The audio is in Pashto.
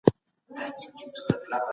ځینې خلک ډېر قدرت او منزلت لري.